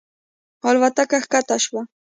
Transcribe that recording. الوتکه ښکته شوه.